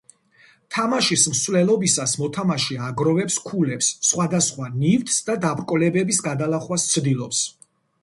თამაშის მსვლელობისას მოთამაშე აგროვებს ქულებს, სხვადასხვა ნივთს და დაბრკოლებების გადალახვას ცდილობს.